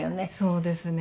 そうですね。